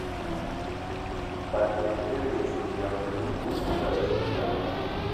O badǝgǝ tele ! Zulǝyan ! Mǝ lum wa ekuda ! Zuleyan !